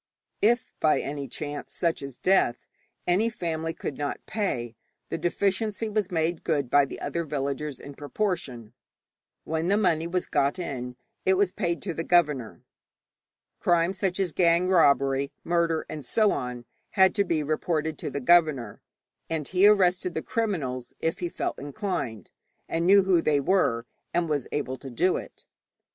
If by any chance, such as death, any family could not pay, the deficiency was made good by the other villagers in proportion. When the money was got in it was paid to the governor. Crime such as gang robbery, murder, and so on, had to be reported to the governor, and he arrested the criminals if he felt inclined, and knew who they were, and was able to do it.